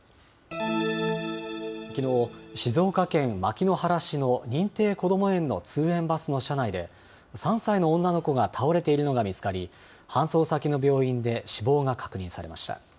きのう、静岡県牧之原市の認定こども園の通園バスの車内で、３歳の女の子が倒れているのが見つかり、搬送先の病院で死亡が確認されました。